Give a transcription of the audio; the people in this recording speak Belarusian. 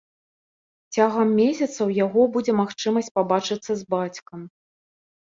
Цягам месяца ў яго будзе магчымасць пабачыцца з бацькам.